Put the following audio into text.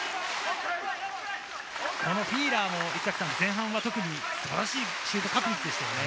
このフィーラーも前半、素晴らしいシュート確率でしたよね。